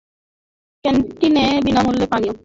ক্যান্টিনে বিনামূল্যে পানীয়।